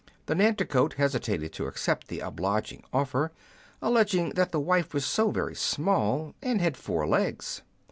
The Nanticoke hesitated to accept the obliging offer, alleging that the wife was so very small, and had four legs.